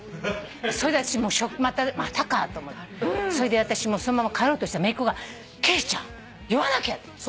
それで私またかと思ってそれで私そのまま帰ろうとしたらめいっ子が「貴理ちゃん言わなきゃ」って。